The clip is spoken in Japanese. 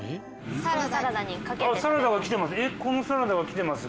ああサラダが来てます。